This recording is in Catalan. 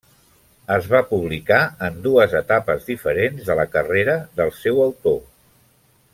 Es va publicar en dues etapes diferents de la carrera del seu autor.